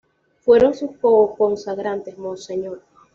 Fueron sus co-consagrantes, Mons.